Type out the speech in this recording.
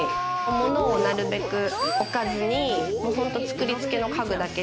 物をなるべく置かずにホント作り付けの家具だけで。